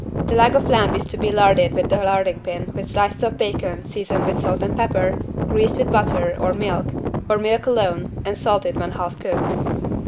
The leg of lamb is to be larded with the larding pin with slices of bacon seasoned with salt and pepper, greased with butter or milk, or milk alone and salted when half cooked.